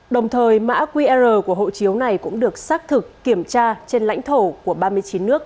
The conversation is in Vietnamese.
đồng thời mã qr của hộ chiếu này cũng được xác thực kiểm tra trên lãnh thổ của ba mươi chín nước